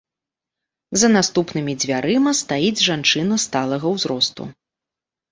За наступнымі дзвярыма стаіць жанчына сталага ўзросту.